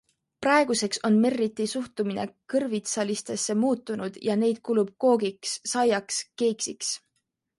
Praeguseks on Merriti suhtumine kõrvitsalistesse muutunud ja neid kulub koogiks, saiaks, keeksiks.